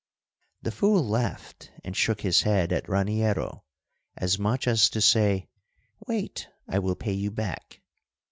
The fool laughed and shook his head at Raniero, as much as to say, "Wait! I will pay you back."